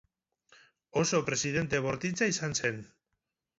Oso presidente bortitza izan zen.